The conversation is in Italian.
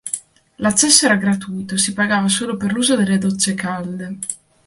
L'accesso era gratuito, si pagava solo per l'uso delle docce calde.